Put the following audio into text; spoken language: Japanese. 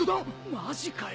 ⁉マジかよ。